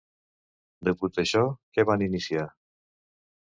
Degut a això, què van iniciar?